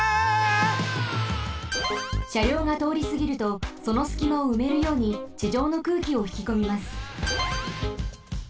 しゃりょうがとおりすぎるとそのすきまをうめるようにちじょうの空気をひきこみます。